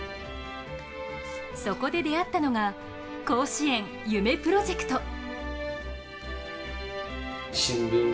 そこで出会ったのが甲子園夢プロジェクト。